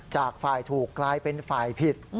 จากฝ่ายถูกกลายเป็นฝ่ายผิด